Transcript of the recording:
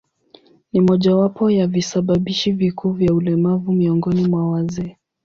Ni mojawapo ya visababishi vikuu vya ulemavu miongoni mwa wazee.